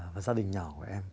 và gia đình nhỏ của em